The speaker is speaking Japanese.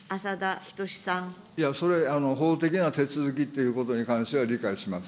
いやそれ、法的な手続きっていうことに関しては理解します。